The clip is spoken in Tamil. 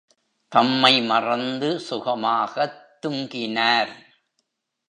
தம்மை மறந்து சுகமாகத் துங்கினார்.